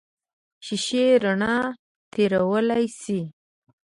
شیشې رڼا تېرولی شي.